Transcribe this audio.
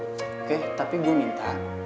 oke tapi gue minta